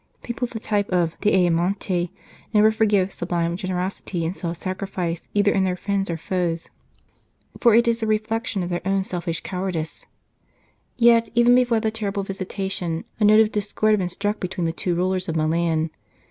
People of the type of d Ayamonte never forgive sublime generosity and self sacrifice either in their friends or foes, for it is a reflection on their own selfish cowardice. Yet even before the terrible visitation, a note of discord had been struck between the two rulers of Milan.